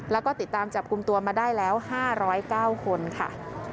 แล้วก็ติดตามจับกลุ่มตัวมาได้แล้ว๕๐๙คนค่ะ